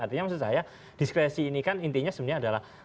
artinya maksud saya diskresi ini kan intinya sebenarnya adalah